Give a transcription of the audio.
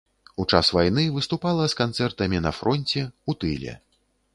У час вайны выступала з канцэртамі на фронце, у тыле.